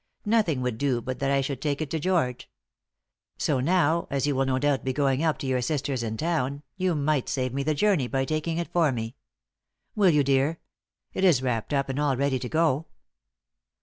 Nothing would do but that I should take it to George. So now, as you will no doubt be going up to your sister's in town, you might save me the journey by taking it for me. Will you, dear? It is wrapped up and all ready to go."